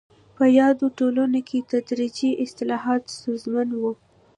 په یادو ټولنو کې تدریجي اصلاحات ستونزمن وو.